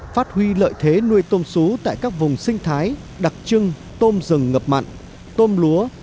phát huy lợi thế nuôi tôm xú tại các vùng sinh thái đặc trưng tôm rừng ngập mặn tôm lúa